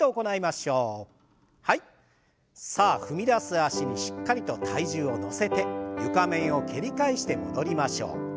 脚にしっかりと体重を乗せて床面を蹴り返して戻りましょう。